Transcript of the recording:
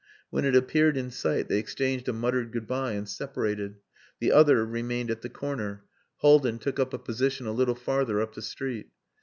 When it appeared in sight they exchanged a muttered good bye and separated. The "other" remained at the corner, Haldin took up a position a little farther up the street....